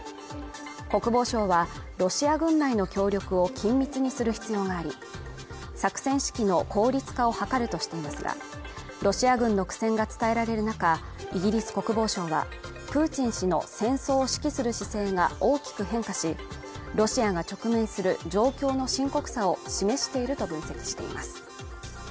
国防省はロシア軍内の協力を緊密にする必要があり作戦指揮の効率化を図るとしていますがロシア軍の苦戦が伝えられる中イギリス国防省はプーチン氏の戦争を指揮する姿勢が大きく変化しロシアが直面する状況の深刻さを示していると分析しています